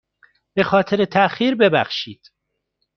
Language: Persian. به خاطر تاخیر ببخشید.